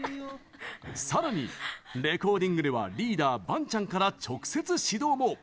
さらに、レコーディングではリーダー、バンチャンから直接指導も。